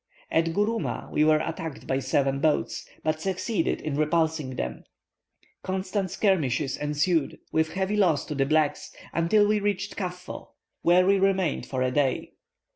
At Gourouma we were attacked by seven boats, but succeeded in repulsing them. Constant skirmishes ensued, with heavy loss to the blacks, until we reached Kaffo, where we remained for a day.